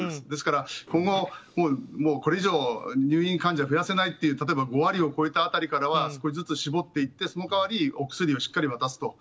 ですから、今後これ以上入院患者を増やせないという例えば５割を超えた辺りからは少しずつ絞っていってその代わりお薬をしっかり渡す。